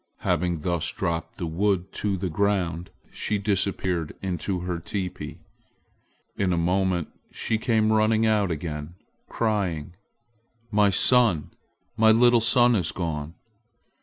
Having thus dropped the wood to the ground, she disappeared into her teepee. In a moment she came running out again, crying, "My son! My little son is gone!"